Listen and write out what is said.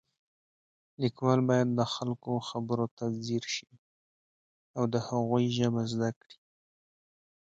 لیکوال باید د خلکو خبرو ته ځیر شي او د هغوی ژبه زده کړي